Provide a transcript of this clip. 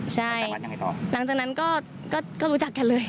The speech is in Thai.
ใช่หลังจากนั้นก็รู้จักกันเลย